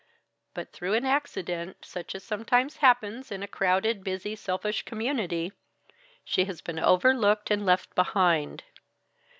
But through an accident, such as sometimes happens in a crowded, busy, selfish community, she has been overlooked and left behind.